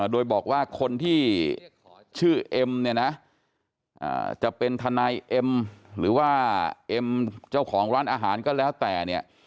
โดยบอกว่าคนที่ชื่อเอ็มเนี่ยนะจะเป็นทนายเอ็มหรือว่าเอ็มเจ้าของร้านอาหารก็แล้วแต่เนี่ย